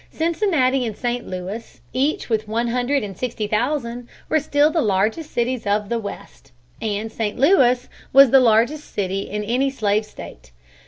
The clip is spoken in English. Cincinnati and St. Louis, each with one hundred and sixty thousand, were still the largest cities of the West, and St. Louis was the largest city in any slave state.